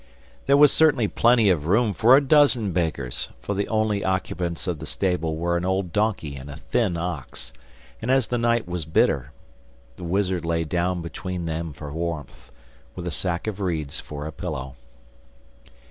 There was certainly plenty of room for a dozen beggars, for the only occupants of the stable were an old donkey and a thin ox; and as the night was bitter, the wizard lay down between them for warmth, with a sack of reeds for a pillow.